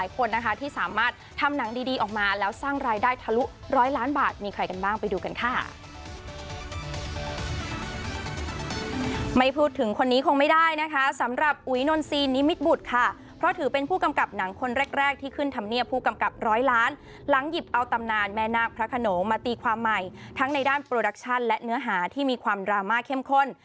เจ้าตำนานแม่นาคพระโขนงมาตีความใหม่ทั้งในด้านโปรดักชันและเนื้อหาที่มีความดราม่าเข้มข้น